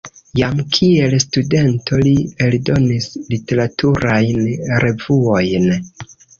Jam kiel studento li eldonis literaturajn revuojn.